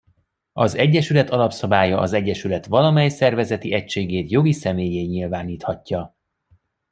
Az egyesület alapszabálya az egyesület valamely szervezeti egységét jogi személlyé nyilváníthatja.